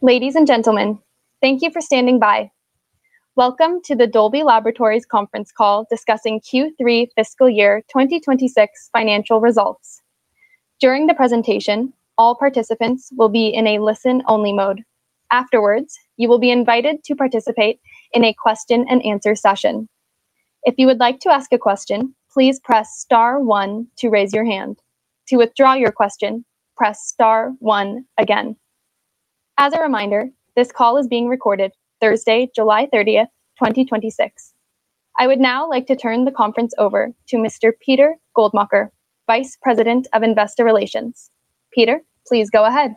Ladies and gentlemen, thank you for standing by. Welcome to the Dolby Laboratories conference call discussing Q3 fiscal year 2026 financial results. During the presentation, all participants will be in a listen-only mode. Afterwards, you will be invited to participate in a question-and-answer session. If you would like to ask a question, please press star one to raise your hand. To withdraw your question, press star one again. As a reminder, this call is being recorded Thursday, July 30th, 2026. I would now like to turn the conference over to Mr. Peter Goldmacher, Vice President of Investor Relations. Peter, please go ahead.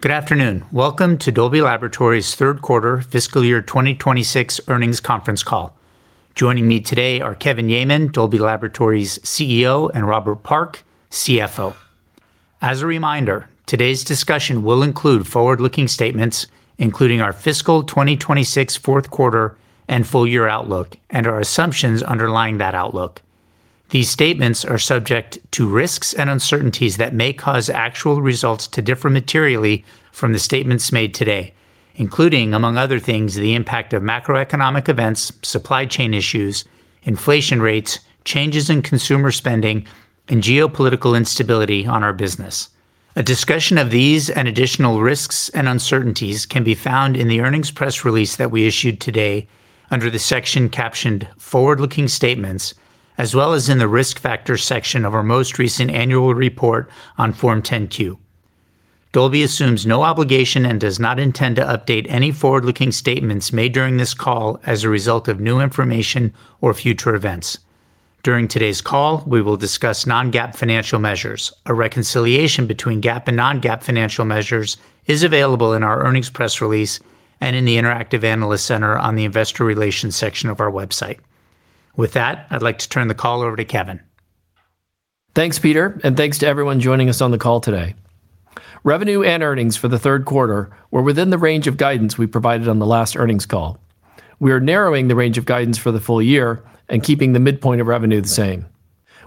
Good afternoon. Welcome to Dolby Laboratories' Q3 fiscal year 2026 earnings conference call. Joining me today are Kevin Yeaman, Dolby Laboratories' CEO, and Robert Park, CFO. As a reminder, today's discussion will include forward-looking statements, including our fiscal 2026 Q4 and full year outlook, and our assumptions underlying that outlook. These statements are subject to risks and uncertainties that may cause actual results to differ materially from the statements made today, including, among other things, the impact of macroeconomic events, supply chain issues, inflation rates, changes in consumer spending, and geopolitical instability on our business. A discussion of these and additional risks and uncertainties can be found in the earnings press release that we issued today under the section captioned Forward-Looking Statements, as well as in the Risk Factors section of our most recent annual report on Form 10-Q. Dolby assumes no obligation and does not intend to update any forward-looking statements made during this call as a result of new information or future events. During today's call, we will discuss non-GAAP financial measures. A reconciliation between GAAP and non-GAAP financial measures is available in our earnings press release and in the interactive analyst center on the investor relations section of our website. With that, I'd like to turn the call over to Kevin. Thanks, Peter, and thanks to everyone joining us on the call today. Revenue and earnings for the Q3 were within the range of guidance we provided on the last earnings call. We are narrowing the range of guidance for the full year and keeping the midpoint of revenue the same.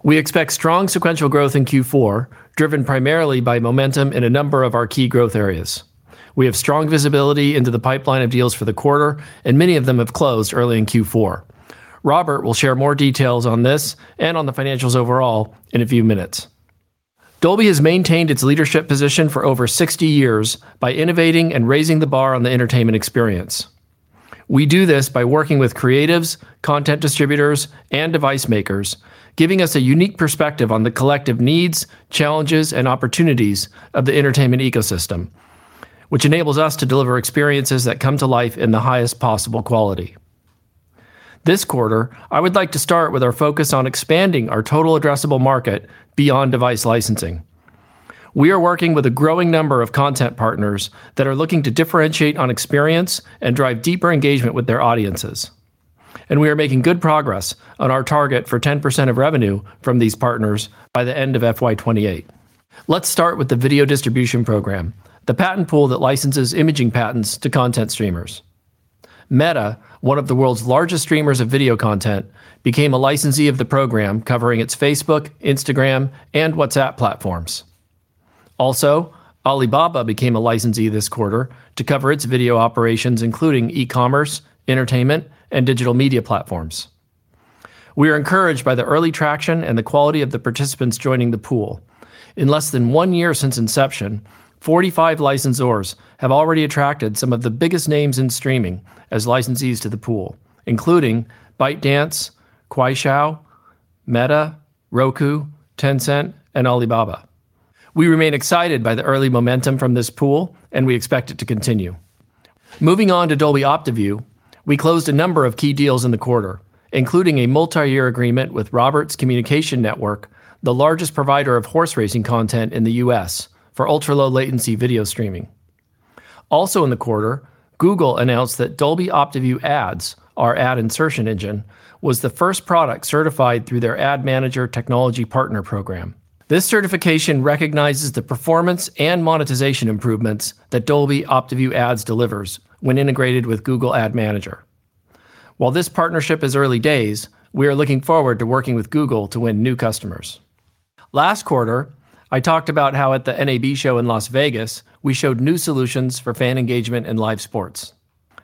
We expect strong sequential growth in Q4, driven primarily by momentum in a number of our key growth areas. We have strong visibility into the pipeline of deals for the quarter, and many of them have closed early in Q4. Robert will share more details on this and on the financials overall in a few minutes. Dolby has maintained its leadership position for over 60 years by innovating and raising the bar on the entertainment experience. We do this by working with creatives, content distributors, and device makers, giving us a unique perspective on the collective needs, challenges, and opportunities of the entertainment ecosystem. Which enables us to deliver experiences that come to life in the highest possible quality. This quarter, I would like to start with our focus on expanding our total addressable market beyond device licensing. We are working with a growing number of content partners that are looking to differentiate on experience and drive deeper engagement with their audiences. We are making good progress on our target for 10% of revenue from these partners by the end of FY 2028. Let's start with the Video Distribution Program, the patent pool that licenses imaging patents to content streamers. Meta, one of the world's largest streamers of video content, became a licensee of the program covering its Facebook, Instagram, and WhatsApp platforms. Also, Alibaba became a licensee this quarter to cover its video operations, including e-commerce, entertainment, and digital media platforms. We are encouraged by the early traction and the quality of the participants joining the pool. In less than one year since inception, 45 licensors have already attracted some of the biggest names in streaming as licensees to the pool, including ByteDance, Kuaishou, Meta, Roku, Tencent, and Alibaba. We remain excited by the early momentum from this pool. We expect it to continue. Moving on to Dolby OptiView, we closed a number of key deals in the quarter, including a multi-year agreement with Roberts Communications Network, the largest provider of horse racing content in the U.S., for ultra-low latency video streaming. Also in the quarter, Google announced that Dolby OptiView Ads, our ad insertion engine, was the first product certified through their Ad Manager technology partner program. This certification recognizes the performance and monetization improvements that Dolby OptiView Ads delivers when integrated with Google Ad Manager. While this partnership is early days, we are looking forward to working with Google to win new customers. Last quarter, I talked about how at the NAB show in Las Vegas, we showed new solutions for fan engagement in live sports.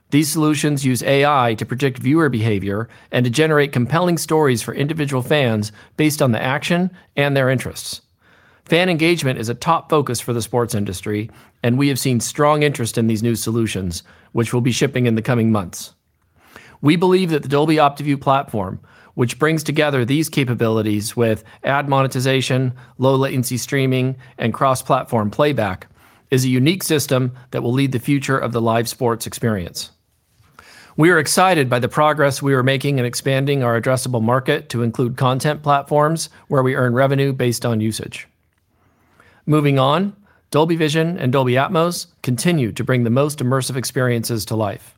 These solutions use AI to predict viewer behavior and to generate compelling stories for individual fans based on the action and their interests. Fan engagement is a top focus for the sports industry. We have seen strong interest in these new solutions, which will be shipping in the coming months. We believe that the Dolby OptiView platform, which brings together these capabilities with ad monetization, low latency streaming, and cross-platform playback, is a unique system that will lead the future of the live sports experience. We are excited by the progress we are making in expanding our addressable market to include content platforms where we earn revenue based on usage. Moving on, Dolby Vision and Dolby Atmos continue to bring the most immersive experiences to life.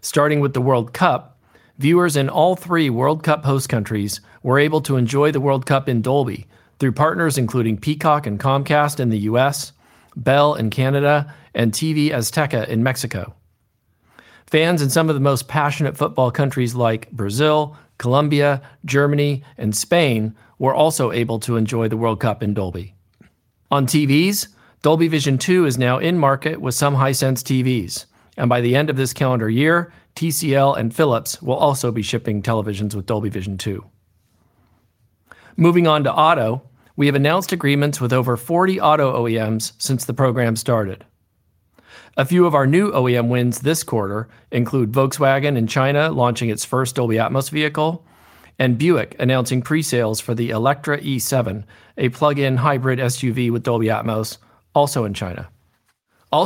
Starting with the World Cup, viewers in all three World Cup host countries were able to enjoy the World Cup in Dolby through partners including Peacock and Comcast in the U.S., Bell in Canada, and TV Azteca in Mexico. Fans in some of the most passionate football countries like Brazil, Colombia, Germany, and Spain were also able to enjoy the World Cup in Dolby. On TVs, Dolby Vision 2 is now in market with some Hisense TVs. By the end of this calendar year, TCL and Philips will also be shipping televisions with Dolby Vision 2. Moving on to auto, we have announced agreements with over 40 auto OEMs since the program started. A few of our new OEM wins this quarter include Volkswagen in China launching its first Dolby Atmos vehicle, Buick announcing pre-sales for the Electra E7, a plug-in hybrid SUV with Dolby Atmos, also in China.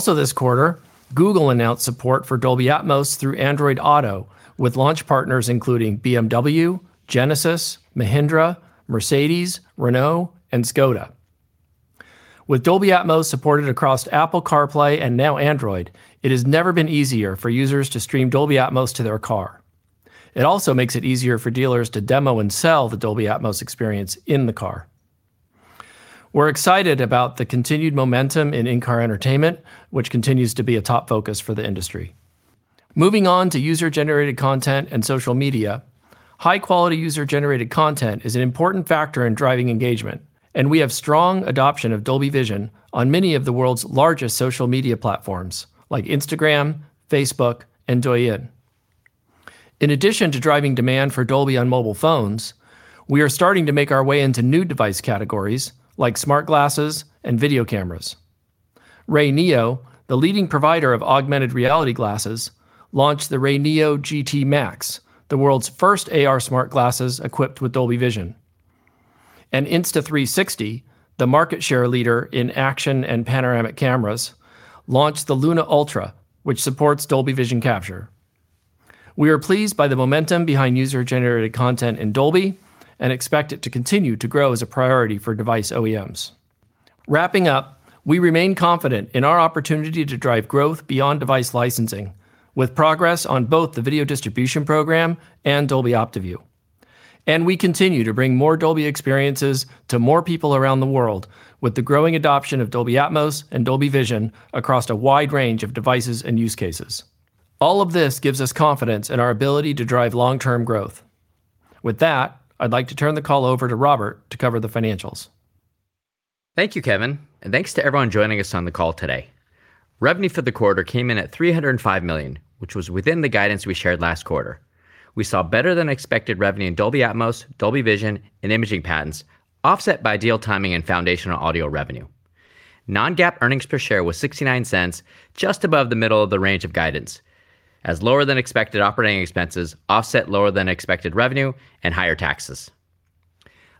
This quarter, Google announced support for Dolby Atmos through Android Auto with launch partners including BMW, Genesis, Mahindra, Mercedes-Benz, Renault, and Škoda. With Dolby Atmos supported across Apple CarPlay and now Android, it has never been easier for users to stream Dolby Atmos to their car. It also makes it easier for dealers to demo and sell the Dolby Atmos experience in the car. We're excited about the continued momentum in in-car entertainment, which continues to be a top focus for the industry. Moving on to user-generated content and social media. High-quality user-generated content is an important factor in driving engagement. We have strong adoption of Dolby Vision on many of the world's largest social media platforms like Instagram, Facebook, and Douyin. In addition to driving demand for Dolby on mobile phones, we are starting to make our way into new device categories like smart glasses and video cameras. RayNeo, the leading provider of augmented reality glasses, launched the RayNeo GT Max, the world's first AR smart glasses equipped with Dolby Vision. Insta360, the market share leader in action and panoramic cameras, launched the Luna Ultra, which supports Dolby Vision capture. We are pleased by the momentum behind user-generated content in Dolby and expect it to continue to grow as a priority for device OEMs. Wrapping up, we remain confident in our opportunity to drive growth beyond device licensing, with progress on both the video distribution program and Dolby OptiView. We continue to bring more Dolby experiences to more people around the world with the growing adoption of Dolby Atmos and Dolby Vision across a wide range of devices and use cases. All of this gives us confidence in our ability to drive long-term growth. With that, I'd like to turn the call over to Robert to cover the financials. Thank you, Kevin. Thanks to everyone joining us on the call today. Revenue for the quarter came in at $305 million, which was within the guidance we shared last quarter. We saw better-than-expected revenue in Dolby Atmos, Dolby Vision, and imaging patents offset by deal timing and foundational audio revenue. Non-GAAP earnings per share was $0.69, just above the middle of the range of guidance, as lower-than-expected operating expenses offset lower-than-expected revenue and higher taxes.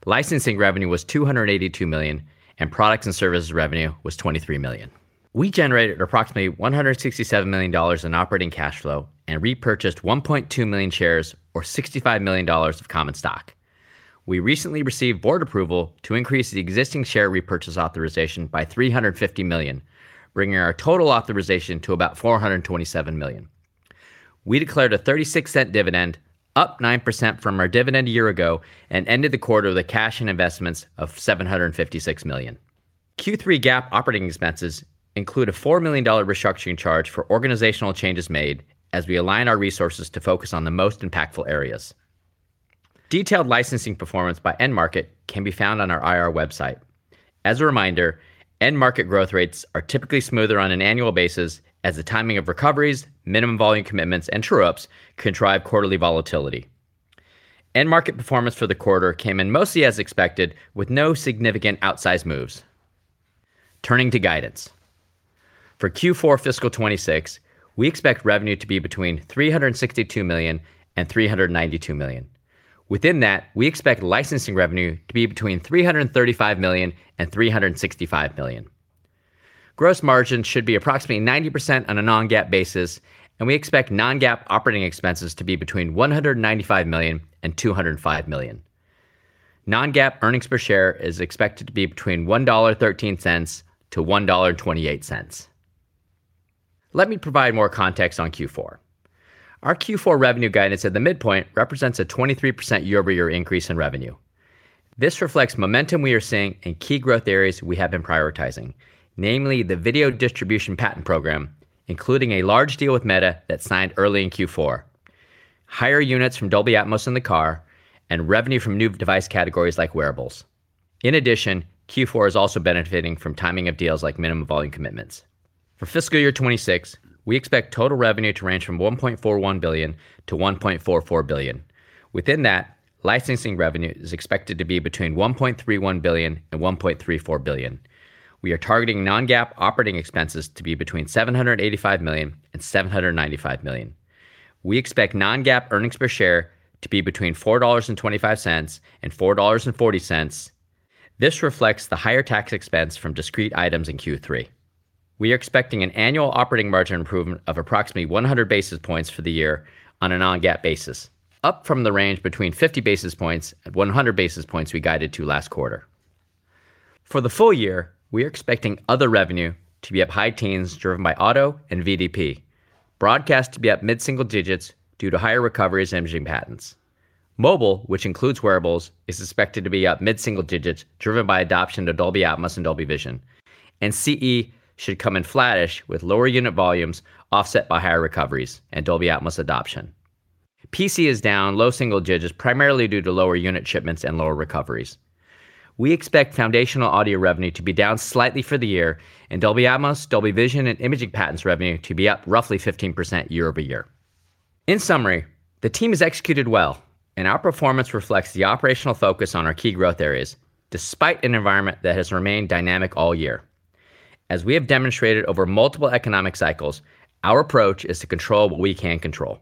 Licensing revenue was $282 million. Products and services revenue was $23 million. We generated approximately $167 million in operating cash flow and repurchased 1.2 million shares or $65 million of common stock. We recently received board approval to increase the existing share repurchase authorization by $350 million, bringing our total authorization to about $427 million. We declared a $0.36 dividend, up 9% from our dividend a year ago, and ended the quarter with cash and investments of $756 million. Q3 GAAP operating expenses include a $4 million restructuring charge for organizational changes made as we align our resources to focus on the most impactful areas. Detailed licensing performance by end market can be found on our IR website. As a reminder, end market growth rates are typically smoother on an annual basis as the timing of recoveries, minimum volume commitments, and true-ups can drive quarterly volatility. End market performance for the quarter came in mostly as expected, with no significant outsized moves. Turning to guidance. For Q4 fiscal 2026, we expect revenue to be between $362 million and $392 million. Within that, we expect licensing revenue to be between $335 million and $365 million. Gross margin should be approximately 90% on a non-GAAP basis, and we expect non-GAAP operating expenses to be between $195 million and $205 million. Non-GAAP earnings per share is expected to be between $1.13 to $1.28. Let me provide more context on Q4. Our Q4 revenue guidance at the midpoint represents a 23% year-over-year increase in revenue. This reflects momentum we are seeing in key growth areas we have been prioritizing. Namely, the video distribution patent program, including a large deal with Meta that signed early in Q4, higher units from Dolby Atmos in the car, and revenue from new device categories like wearables. Q4 is also benefiting from timing of deals like minimum volume commitments. For fiscal year 2026, we expect total revenue to range from $1.41 billion-$1.44 billion. Within that, licensing revenue is expected to be between $1.31 billion and $1.34 billion. We are targeting non-GAAP operating expenses to be between $785 million and $795 million. We expect non-GAAP earnings per share to be between $4.25 and $4.40. This reflects the higher tax expense from discrete items in Q3. We are expecting an annual operating margin improvement of approximately 100 basis points for the year on a non-GAAP basis, up from the range between 50 basis points and 100 basis points we guided to last quarter. For the full year, we are expecting other revenue to be up high teens driven by auto and VDP, broadcast to be up mid-single digits due to higher recoveries imaging patents. Mobile, which includes wearables, is expected to be up mid-single digits driven by adoption to Dolby Atmos and Dolby Vision. CE should come in flattish with lower unit volumes offset by higher recoveries and Dolby Atmos adoption. PC is down low single digits primarily due to lower unit shipments and lower recoveries. We expect foundational audio revenue to be down slightly for the year and Dolby Atmos, Dolby Vision, and imaging patents revenue to be up roughly 15% year-over-year. In summary, the team has executed well, and our performance reflects the operational focus on our key growth areas, despite an environment that has remained dynamic all year. As we have demonstrated over multiple economic cycles, our approach is to control what we can control.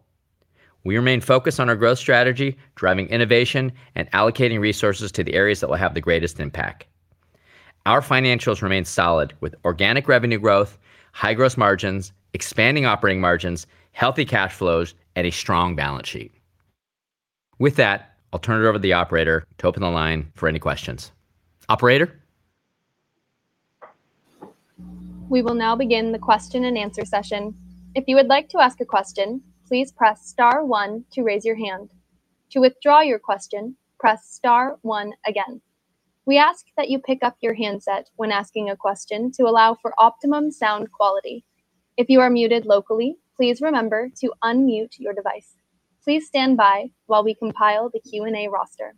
We remain focused on our growth strategy, driving innovation and allocating resources to the areas that will have the greatest impact. Our financials remain solid with organic revenue growth, high gross margins, expanding operating margins, healthy cash flows, and a strong balance sheet. With that, I'll turn it over to the operator to open the line for any questions. Operator? We will now begin the question-and-answer session. If you would like to ask a question, please press star one to raise your hand. To withdraw your question, press star one again. We ask that you pick up your handset when asking a question to allow for optimum sound quality. If you are muted locally, please remember to unmute your device. Please stand by while we compile the Q&A roster.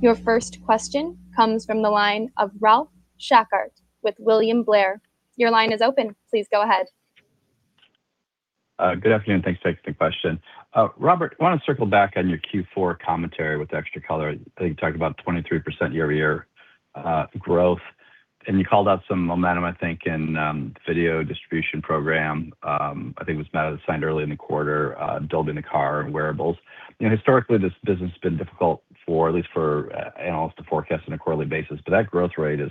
Your first question comes from the line of Ralph Schackart with William Blair. Your line is open. Please go ahead. Good afternoon. Thanks for taking the question. Robert, I want to circle back on your Q4 commentary with extra color. I think you talked about 23% year-over-year growth, and you called out some momentum, I think, in video distribution program. I think it was Meta that signed early in the quarter, Dolby in the car, and wearables. Historically, this business has been difficult, at least for analysts to forecast on a quarterly basis. That growth rate is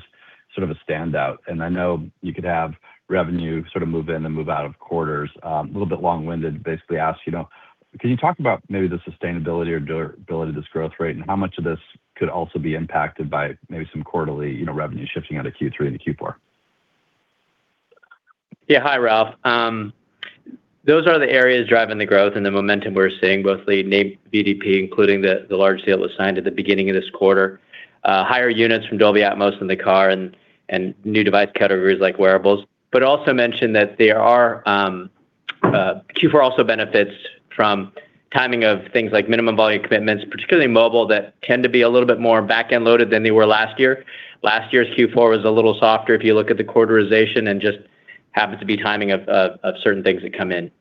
sort of a standout, and I know you could have revenue sort of move in and move out of quarters. A little bit long-winded. Basically asks, can you talk about maybe the sustainability or durability of this growth rate and how much of this could also be impacted by maybe some quarterly revenue shifting out of Q3 into Q4? Yeah. Hi, Ralph. Those are the areas driving the growth and the momentum we're seeing, both the named VDP, including the large deal that was signed at the beginning of this quarter. Higher units from Dolby Atmos in the car and new device categories like wearables. I also mention that Q4 also benefits from timing of things like minimum volume commitments, particularly mobile, that tend to be a little bit more back-end loaded than they were last year. Last year's Q4 was a little softer if you look at the quarterization and just happens to be timing of certain things that come in.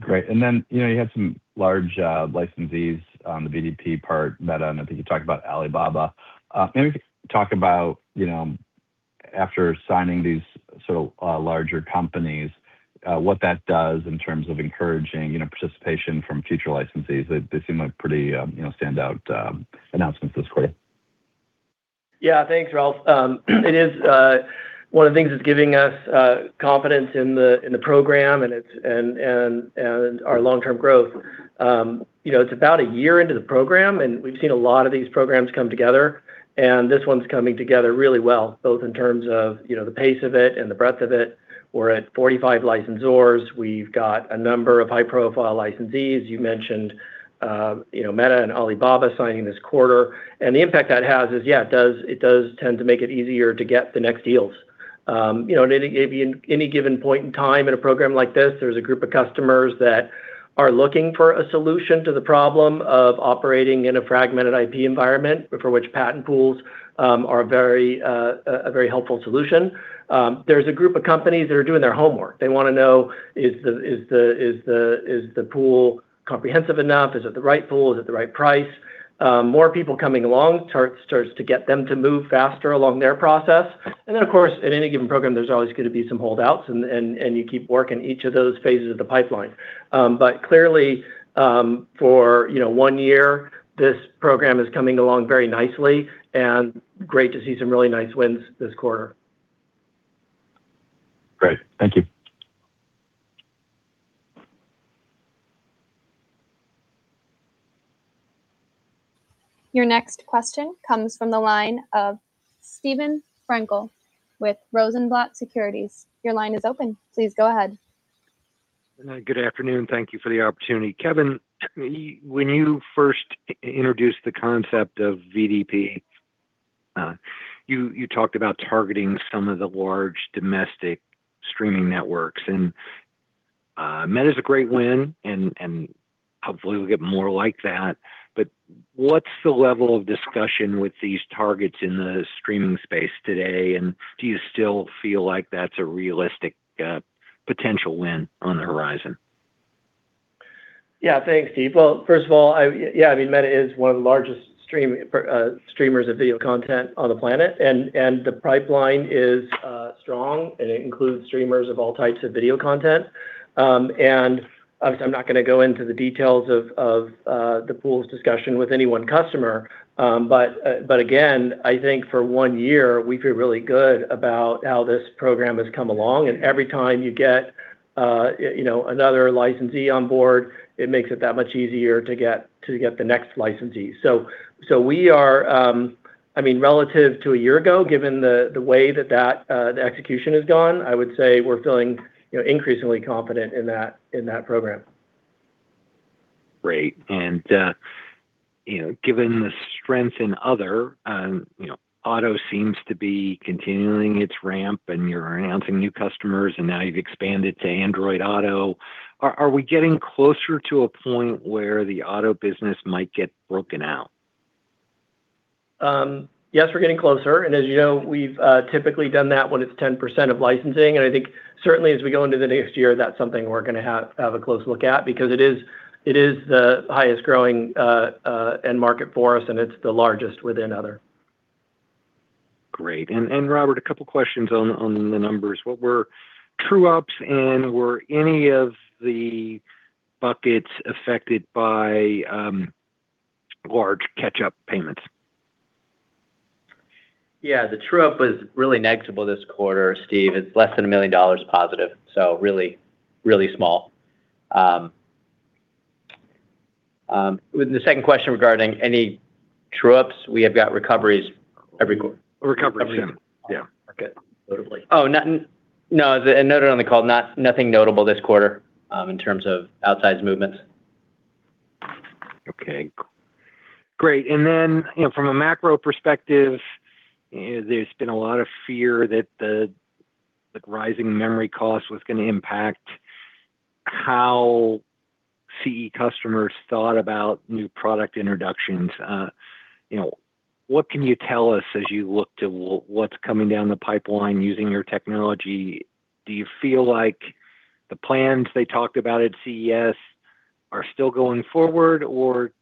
Great. Then you had some large licensees on the VDP part, Meta, and I think you talked about Alibaba. Maybe talk about after signing these sort of larger companies, what that does in terms of encouraging participation from future licensees. They seem like pretty standout announcements this quarter. Thanks, Ralph. It is one of the things that's giving us confidence in the program and our long-term growth. It's about a year into the program, and we've seen a lot of these programs come together, and this one's coming together really well, both in terms of the pace of it and the breadth of it. We're at 45 licensors. We've got a number of high-profile licensees. You mentioned Meta and Alibaba signing this quarter. The impact that has is, yeah, it does tend to make it easier to get the next deals. In any given point in time in a program like this, there's a group of customers that are looking for a solution to the problem of operating in a fragmented IP environment, for which patent pools are a very helpful solution. There's a group of companies that are doing their homework. They want to know, is the pool comprehensive enough? Is it the right pool? Is it the right price? More people coming along starts to get them to move faster along their process. Of course, in any given program, there's always going to be some holdouts, and you keep working each of those phases of the pipeline. Clearly, for one year, this program is coming along very nicely, and great to see some really nice wins this quarter. Great. Thank you. Your next question comes from the line of Steven Frankel with Rosenblatt Securities. Your line is open. Please go ahead. Good afternoon. Thank you for the opportunity. Kevin, when you first introduced the concept of VDP, you talked about targeting some of the large domestic streaming networks. Meta's a great win, and hopefully we'll get more like that. What's the level of discussion with these targets in the streaming space today, and do you still feel like that's a realistic potential win on the horizon? Yeah. Thanks, Steve. Well, first of all, yeah, Meta is one of the largest streamers of video content on the planet. The pipeline is strong, and it includes streamers of all types of video content. Obviously, I'm not going to go into the details of the pool's discussion with any one customer. Again, I think for one year, we feel really good about how this program has come along, and every time you get another licensee on board, it makes it that much easier to get the next licensee. Relative to a year ago, given the way that the execution has gone, I would say we're feeling increasingly confident in that program. Great. Given the strength in other, Auto seems to be continuing its ramp. You're announcing new customers, and now you've expanded to Android Auto. Are we getting closer to a point where the Auto business might get broken out? Yes, we're getting closer, as you know, we've typically done that when it's 10% of licensing. I think certainly as we go into the next year, that's something we're going to have a close look at because it is the highest growing end market for us, and it's the largest within other. Great. Robert, a couple questions on the numbers. What were true-ups, and were any of the buckets affected by large catch-up payments? Yeah. The true-up was really negligible this quarter, Steve. It's less than $1 million positive, so really small. The second question regarding any true-ups, we have got recoveries every quarter. Recoveries, yeah. Okay. Notably. Oh, no. Noted on the call, nothing notable this quarter in terms of outsized movements. Okay, great. From a macro perspective, there's been a lot of fear that the rising memory cost was going to impact how CE customers thought about new product introductions. What can you tell us as you look to what's coming down the pipeline using your technology? Do you feel like the plans they talked about at CES are still going forward, or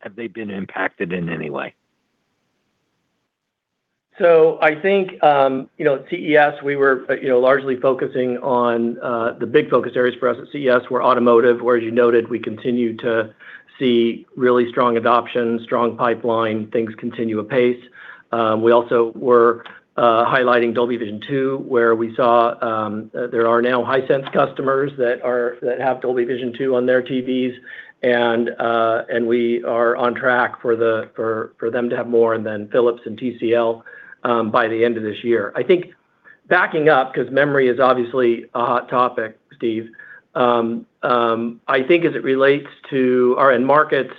have they been impacted in any way? I think at CES, the big focus areas for us at CES were automotive, where as you noted, we continue to see really strong adoption, strong pipeline, things continue apace. We also were highlighting Dolby Vision 2, where we saw there are now Hisense customers that have Dolby Vision 2 on their TVs, and we are on track for them to have more, and then Philips and TCL by the end of this year. I think backing up, because memory is obviously a hot topic, Steve. I think as it relates to our end markets,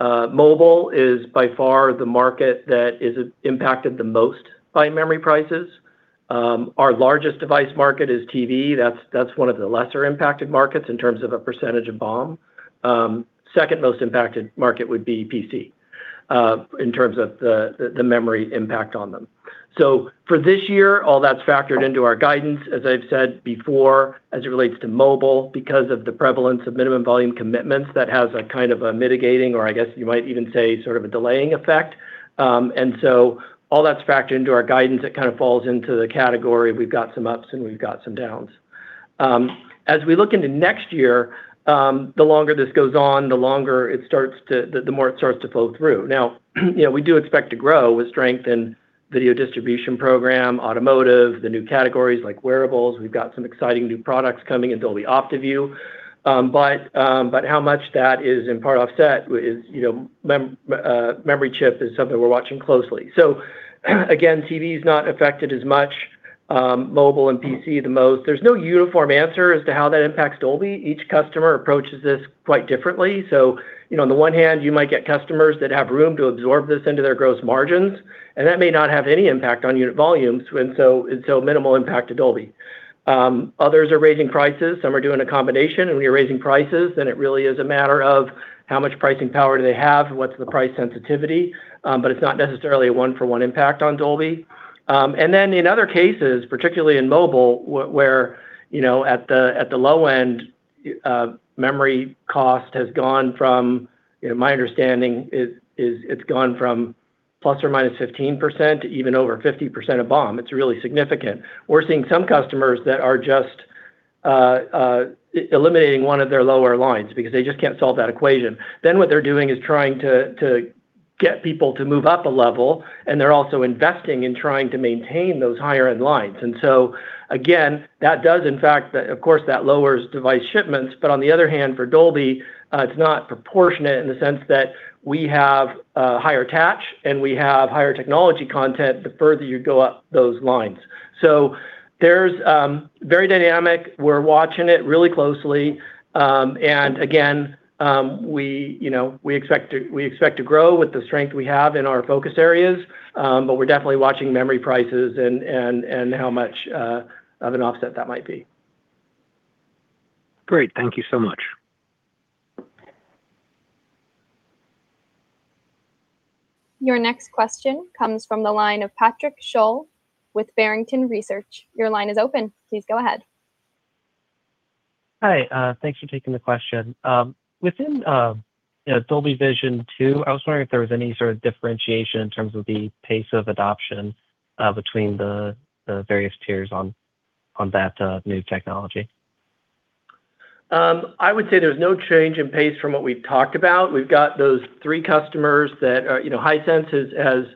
mobile is by far the market that is impacted the most by memory prices. Our largest device market is TV. That's one of the lesser impacted markets in terms of a percentage of BOM. Second most impacted market would be PC in terms of the memory impact on them. For this year, all that's factored into our guidance, as I've said before, as it relates to mobile, because of the prevalence of minimum volume commitments, that has a mitigating, or I guess you might even say sort of a delaying effect. All that's factored into our guidance. It falls into the category of we've got some ups and we've got some downs. As we look into next year, the longer this goes on, the more it starts to flow through. We do expect to grow with strength in Video Distribution Program, automotive, the new categories like wearables. We've got some exciting new products coming in Dolby OptiView. How much that is in part offset is, memory chip is something we're watching closely. Again, TV's not affected as much. Mobile and PC the most. There's no uniform answer as to how that impacts Dolby. Each customer approaches this quite differently. On the one hand, you might get customers that have room to absorb this into their gross margins, and that may not have any impact on unit volumes, and so minimal impact to Dolby. Others are raising prices. Some are doing a combination and we are raising prices, and it really is a matter of how much pricing power do they have, what's the price sensitivity. It's not necessarily a one-for-one impact on Dolby. In other cases, particularly in mobile, where at the low end, memory cost has gone from, my understanding is it's gone from ±15% to even over 50% of BOM. It's really significant. We're seeing some customers that are just eliminating one of their lower lines because they just can't solve that equation. What they're doing is trying to get people to move up a level, and they're also investing in trying to maintain those higher-end lines. Again, of course, that lowers device shipments, but on the other hand, for Dolby, it's not proportionate in the sense that we have a higher attach and we have higher technology content the further you go up those lines. There's very dynamic. We're watching it really closely. Again, we expect to grow with the strength we have in our focus areas. We're definitely watching memory prices and how much of an offset that might be. Great. Thank you so much. Your next question comes from the line of Patrick Sholl with Barrington Research. Your line is open. Please go ahead. Hi. Thanks for taking the question. Within Dolby Vision 2, I was wondering if there was any sort of differentiation in terms of the pace of adoption between the various tiers on that new technology. I would say there's no change in pace from what we've talked about. We've got those three customers. Hisense has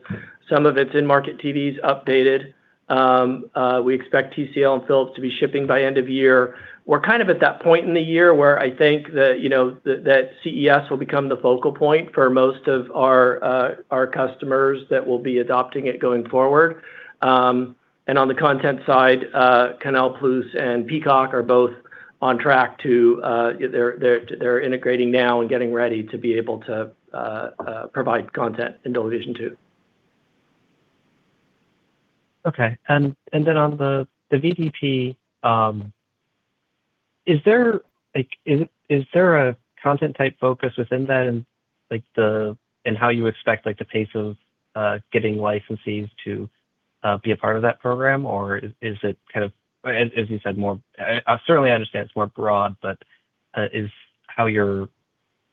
some of its in-market TVs updated. We expect TCL and Philips to be shipping by end of year. We're at that point in the year where I think that CES will become the focal point for most of our customers that will be adopting it going forward. On the content side, Canal+, and Peacock are both on track. They're integrating now and getting ready to be able to provide content in Dolby Vision 2. Okay. On the VDP, is there a content type focus within that and how you expect the pace of getting licensees to be a part of that program? Is it kind of, as you said, more? I certainly understand it's more broad, but is how you're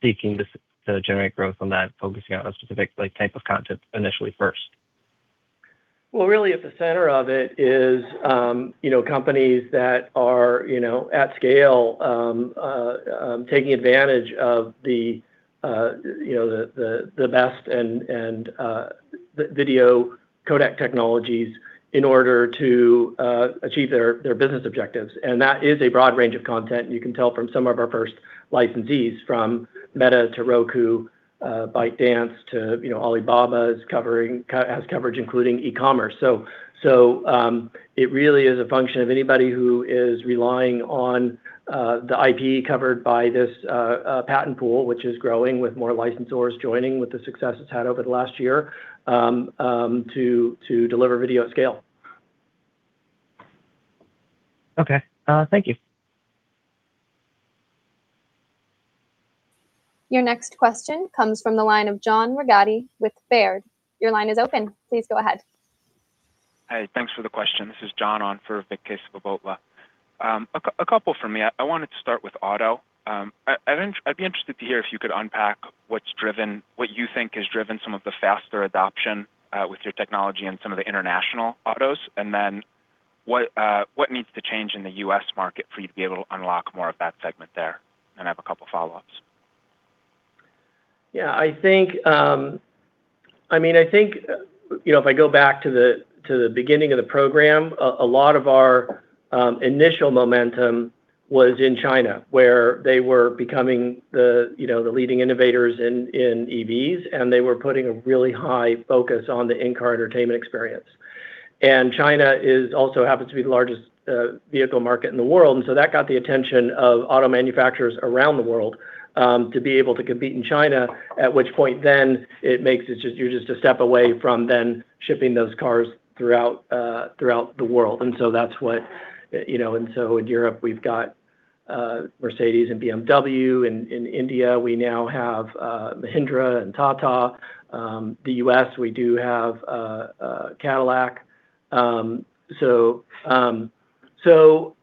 seeking to generate growth on that focusing on a specific type of content initially first? Well, really at the center of it is companies that are at scale, taking advantage of the best and video codec technologies in order to achieve their business objectives. That is a broad range of content, and you can tell from some of our first licensees, from Meta to Roku, ByteDance to Alibaba has coverage including e-commerce. It really is a function of anybody who is relying on the IP covered by this patent pool, which is growing with more licensors joining with the success it's had over the last year, to deliver video at scale. Okay. Thank you. Your next question comes from the line of John Regotti with Baird. Your line is open. Please go ahead. Hi. Thanks for the question. This is John on for Vikram Kesavabhotla. A couple from me. I wanted to start with auto. I'd be interested to hear if you could unpack what you think has driven some of the faster adoption with your technology in some of the international autos, then what needs to change in the U.S. market for you to be able to unlock more of that segment there? I have a couple of follow-ups. Yeah. I think, if I go back to the beginning of the program, a lot of our initial momentum was in China, where they were becoming the leading innovators in EVs, they were putting a really high focus on the in-car entertainment experience. China also happens to be the largest vehicle market in the world, that got the attention of auto manufacturers around the world to be able to compete in China, at which point then you're just a step away from then shipping those cars throughout the world. In Europe, we've got Mercedes-Benz and BMW. In India, we now have Mahindra and Tata. The U.S., we do have Cadillac.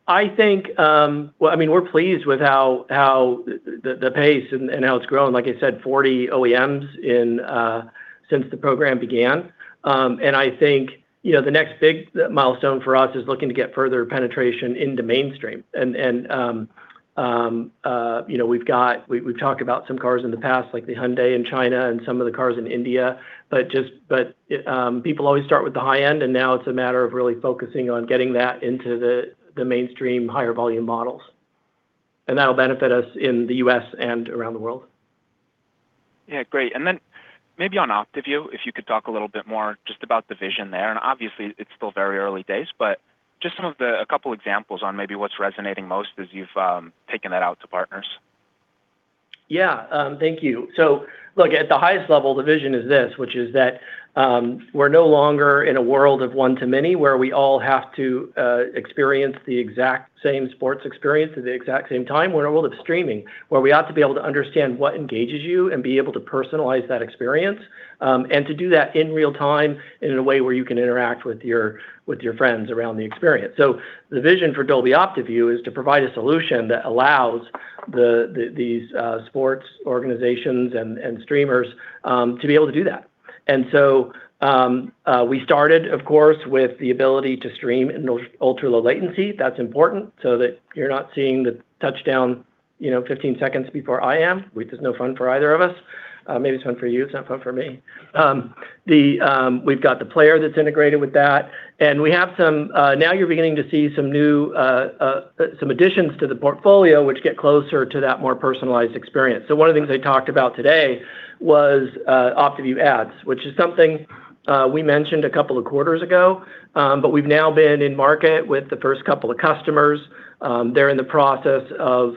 I think, we're pleased with the pace and how it's grown. Like I said, 40 OEMs since the program began. I think the next big milestone for us is looking to get further penetration into mainstream. We've talked about some cars in the past, like the Hyundai in China and some of the cars in India, but people always start with the high end, now it's a matter of really focusing on getting that into the mainstream higher volume models. That'll benefit us in the U.S. and around the world. Yeah. Great. Maybe on Dolby OptiView, if you could talk a little bit more just about the vision there. Obviously, it's still very early days, but just a couple examples on maybe what's resonating most as you've taken that out to partners. Yeah. Thank you. Look, at the highest level, the vision is this, which is that we're no longer in a world of one-to-many, where we all have to experience the exact same sports experience at the exact same time. We're in a world of streaming, where we ought to be able to understand what engages you and be able to personalize that experience. To do that in real time in a way where you can interact with your friends around the experience. The vision for Dolby Dolby OptiView is to provide a solution that allows these sports organizations and streamers to be able to do that. We started, of course, with the ability to stream in ultra low latency. That's important so that you're not seeing the touchdown 15 seconds before I am, which is no fun for either of us. Maybe it's fun for you. It's not fun for me. We've got the player that's integrated with that, now you're beginning to see some additions to the portfolio which get closer to that more personalized experience. One of the things I talked about today was Dolby OptiView Ads, which is something we mentioned a couple of quarters ago. We've now been in market with the first couple of customers. They're in the process of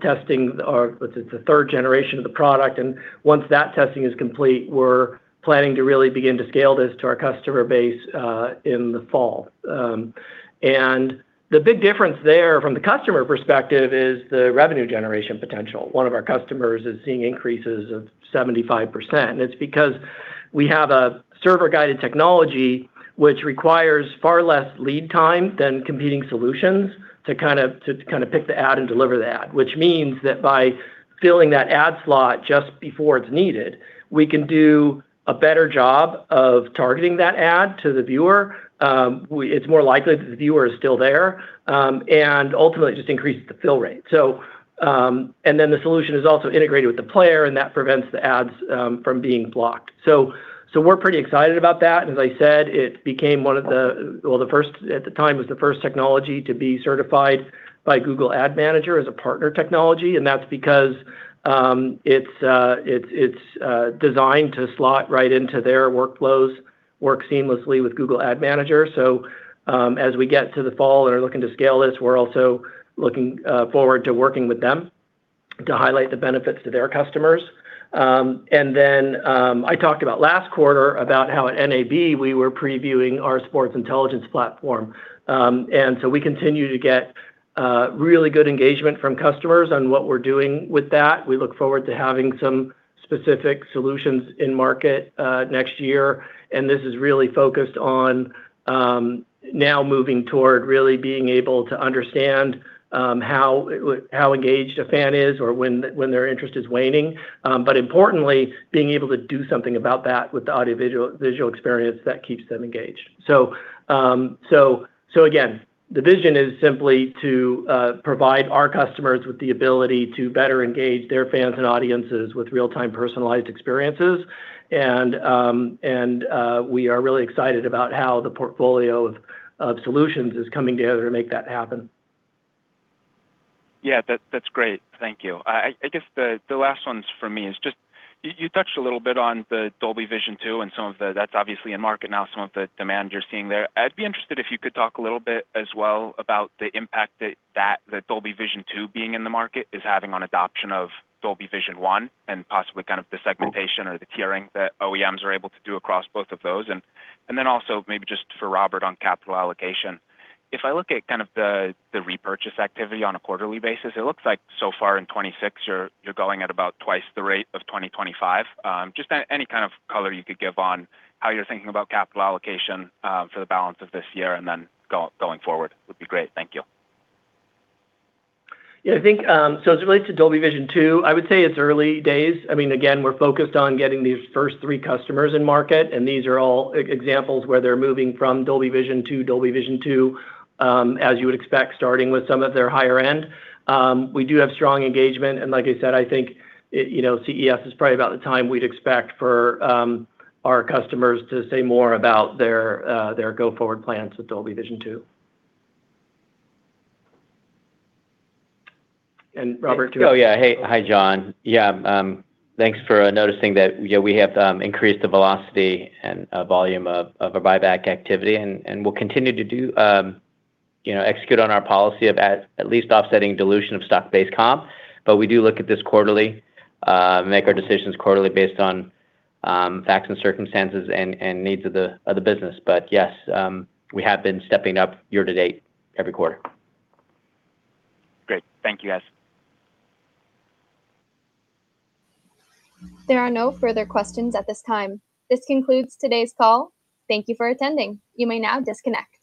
testing what is the third generation of the product, once that testing is complete, we're planning to really begin to scale this to our customer base in the fall. The big difference there from the customer perspective is the revenue generation potential. One of our customers is seeing increases of 75%. It's because we have a server-guided technology which requires far less lead time than competing solutions to pick the ad and deliver the ad. Means that by filling that ad slot just before it's needed, we can do a better job of targeting that ad to the viewer. It's more likely that the viewer is still there, ultimately, it just increases the fill rate. The solution is also integrated with the player, that prevents the ads from being blocked. We're pretty excited about that, as I said, at the time, it was the first technology to be certified by Google Ad Manager as a partner technology, that's because it's designed to slot right into their workflows, work seamlessly with Google Ad Manager. As we get to the fall and are looking to scale this, we're also looking forward to working with them to highlight the benefits to their customers. I talked about last quarter about how at NAB we were previewing our sports intelligence platform. We continue to get really good engagement from customers on what we're doing with that. We look forward to having some specific solutions in market next year. This is really focused on now moving toward really being able to understand how engaged a fan is or when their interest is waning. Importantly, being able to do something about that with the audiovisual experience that keeps them engaged. Again, the vision is simply to provide our customers with the ability to better engage their fans and audiences with real-time personalized experiences. We are really excited about how the portfolio of solutions is coming together to make that happen. Yeah. That's great. Thank you. I guess the last one for me is just you touched a little bit on the Dolby Vision 2 and that's obviously in market now, some of the demand you're seeing there. I'd be interested if you could talk a little bit as well about the impact that the Dolby Vision 2 being in the market is having on adoption of Dolby Vision 1, and possibly the segmentation or the tiering that OEMs are able to do across both of those. Also maybe just for Robert on capital allocation. If I look at the repurchase activity on a quarterly basis, it looks like so far in 2026 you're going at about twice the rate of 2025. Just any kind of color you could give on how you're thinking about capital allocation for the balance of this year and then going forward would be great. Thank you. I think as it relates to Dolby Vision 2, I would say it's early days. Again, we're focused on getting these first three customers in market, and these are all examples where they're moving from Dolby Vision to Dolby Vision 2, as you would expect, starting with some of their higher end. We do have strong engagement, and like I said, I think CES is probably about the time we'd expect for our customers to say more about their go-forward plans with Dolby Vision 2. Robert to- Hi, John. Thanks for noticing that we have increased the velocity and volume of our buyback activity, and we'll continue to execute on our policy of at least offsetting dilution of stock-based comp. We do look at this quarterly, make our decisions quarterly based on facts and circumstances and needs of the business. Yes, we have been stepping up year-to-date every quarter. Great. Thank you, guys. There are no further questions at this time. This concludes today's call. Thank you for attending. You may now disconnect.